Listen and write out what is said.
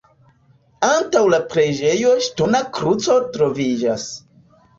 Antaŭ la preĝejo ŝtona kruco troviĝas.